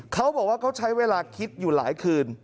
เขาบอกว่าเขาใช้เวลาคิดอยู่หลายคืน